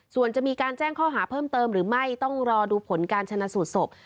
ส่วนจะมีการแจ้งข้อหาเพิ่มเติมหรือไม่ต้องรอดูผลการชนะสูตรศพ